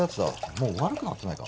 もう悪くなってないか？